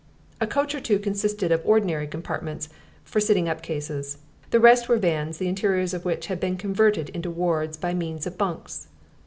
A coach or two consisted of ordinary compartments, for sitting up cases; the rest were vans the interiors of which had been converted into wards by means of bunks.